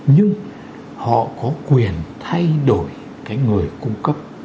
nhưng họ có quyền thay đổi cái người cung cấp